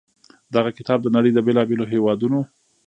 دغه کتاب د نړۍ د بېلا بېلو هېوادونو